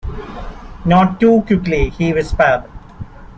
"Not too quickly," he whispered.